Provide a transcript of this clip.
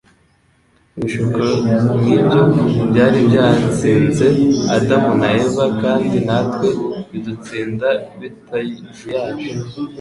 Ibishuko nk'ibyo byari byatsinze Adamu na Eva, kandi natwe bidutsinda bitajuyaje.